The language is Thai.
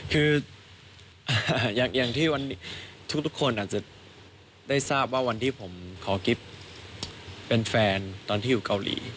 คืออย่างที่วันนี้ทุกคนอาจจะได้ทราบว่าวันที่ผมขอกิฟต์เป็นแฟนตอนที่อยู่เกาหลี